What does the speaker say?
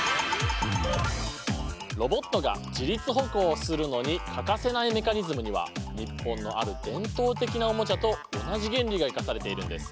ロボットが自立歩行をするのに欠かせないメカニズムには日本のある伝統的なおもちゃと同じ原理が生かされているんです。